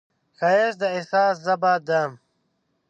ښایست د احساس ژبه ده